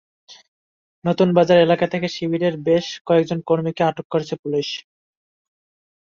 নতুন বাজার এলাকা থেকে শিবিরের বেশ কয়েকজন কর্মীকে আটক করেছে পুলিশ।